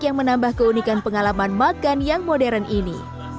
yang menambah keunikan pengalaman makan yang modern ini